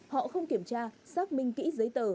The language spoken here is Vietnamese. họ không kiểm tra xác minh kỹ giấy tờ